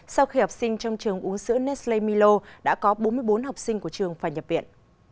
sau khi học sinh trong trường uống sữa nestle milo đã có bốn mươi bốn học sinh của trường phải nhập viện